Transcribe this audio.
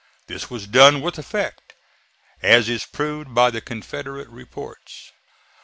This was done with effect, as is proved by the Confederate reports.